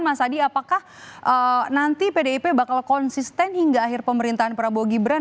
mas adi apakah nanti pdip bakal konsisten hingga akhir pemerintahan prabowo gibran